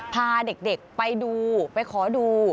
พาเด็กไปดูไปขอดู